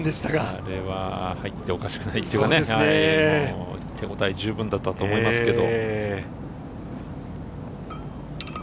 これは入ってもおかしくない、手ごたえ十分だったと思いますけど。